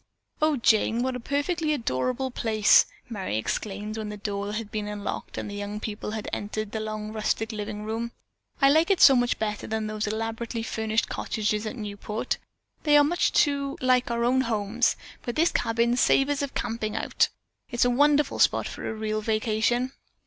"Oh, Jane, what a perfectly adorable place," Merry exclaimed when the door had been unlocked and the young people had entered the long rustic living room. "I like it so much better than those elaborately furnished cottages at Newport. They are too much like our own homes, but this cabin savors of camping out. It's a wonderful spot for a real vacation."